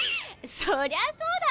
そりゃそうだ！